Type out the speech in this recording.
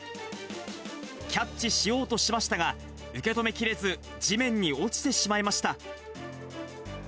キャッチしようとしましたが、受け止めきれず、地面に落ちてしまいました。